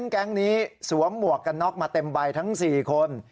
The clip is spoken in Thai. แก๊งนี้สวมหมวกกันน็อกมาเต็มใบทั้ง๔คน